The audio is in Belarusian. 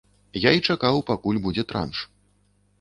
Я і чакаў, пакуль будзе транш.